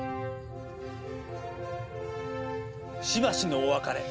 しばしのお別れ。